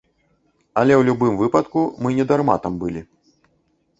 Але ў любым выпадку, мы не дарма там былі.